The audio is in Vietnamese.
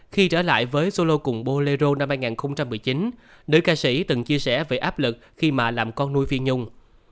khi trở lại với solo cùng bolero năm hai nghìn một mươi chín nữ ca sĩ từng chia sẻ về áp lực khi mà làm con nuôi phi nhung